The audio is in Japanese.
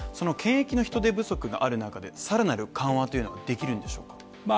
検疫の人手不足がある中で更なる緩和というのはできるんでしょうか？